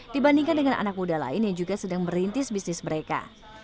dibandingkan dengan anak muda lain yang juga sedang merintis bisnis mereka